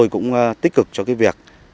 thì cũng tích cực cho cái việc